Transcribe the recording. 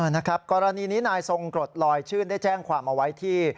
นะครับกรณีนี้นายทรงกรดลอยชื่นได้แจ้งความเอาไว้ที่